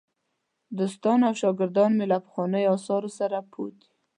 دوستان او شاګردان مې له پخوانیو آثارو سره پوه دي.